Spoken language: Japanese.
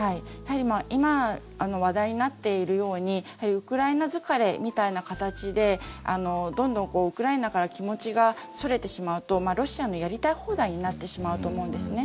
今話題になっているようにウクライナ疲れみたいな形でどんどんウクライナから気持ちがそれてしまうとロシアのやりたい放題になってしまうと思うんですね。